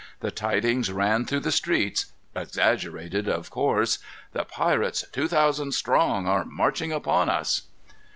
The tidings ran through the streets, exaggerated of course: "The pirates, two thousand strong, are marching upon us."